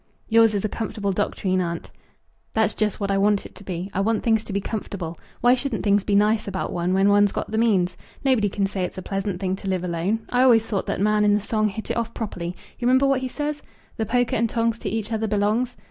"Yours is a comfortable doctrine, aunt." "That's just what I want it to be. I want things to be comfortable. Why shouldn't things be nice about one when one's got the means? Nobody can say it's a pleasant thing to live alone. I always thought that man in the song hit it off properly. You remember what he says? 'The poker and tongs to each other belongs.'